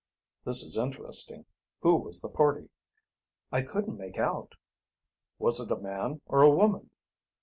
"This is interesting. Who was the party?" "I couldn't make out." "Was it a man or a woman?